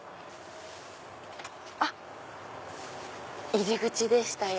入り口でしたよ。